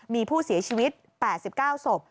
มีผู้เสียชีวิต๘๙ศพ